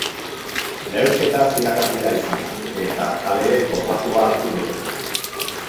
Neurketa zirraragarria izan da, eta zaleek gozatua hartu dute.